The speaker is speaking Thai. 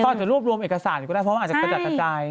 เขาอาจจะรวบรวมเอกสารก็ได้เพราะมันอาจจะกระจัดกระจาย